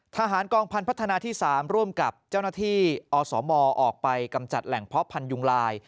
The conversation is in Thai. ทหารกองพันธนาที่๓ร่วมกับเจ้าหน้าที่อสมออกไปกำจัดแหล่งเพาะพันธุยุงลาย